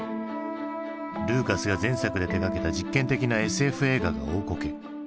ルーカスが前作で手がけた実験的なＳＦ映画が大こけ。